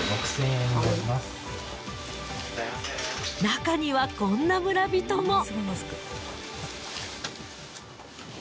［なかにはこんな村人も］